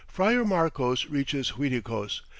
Friar Marcos reaches Uiticos.